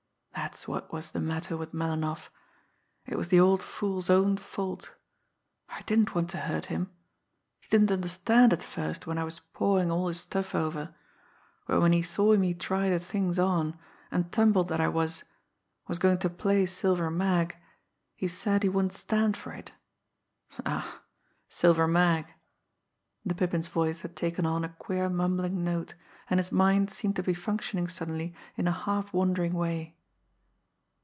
"That's what was the matter with Melinoff. It was the old fool's own fault! I didn't want to hurt him! He didn't understand at first when I was pawing all his stuff over, but when he saw me try the things on, and tumbled that I was was going to play Silver Mag, he said he wouldn't stand for it. Ha, ha! Silver Mag!" The Pippin's voice had taken on a queer mumbling note, and his mind seemed to be functioning suddenly in a half wandering way.